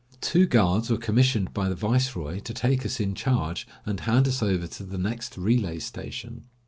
Two guards were commissioned by the viceroy to take us in charge, and hand us over to the next relay station.